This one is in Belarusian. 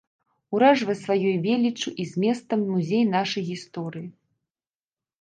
Уражвае сваёй веліччу і зместам музей нашай гісторыі.